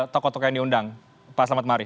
tokoh tokoh yang diundang pak selamat mari